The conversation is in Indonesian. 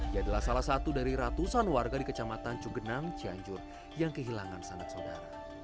ia adalah salah satu dari ratusan warga di kecamatan cugenang cianjur yang kehilangan sanak saudara